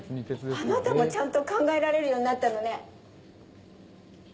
あなたもちゃんと考えられるようになったのね。